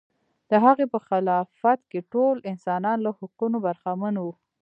د هغه په خلافت کې ټول انسانان له حقونو برخمن و.